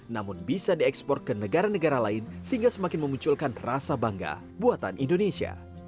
namun bisa diekspor ke negara negara lain sehingga semakin memunculkan rasa bangga buatan indonesia